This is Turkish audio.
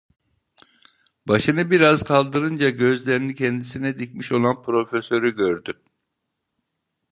Başını biraz kaldırınca, gözlerini kendisine dikmiş olan Profesör’ü gördü.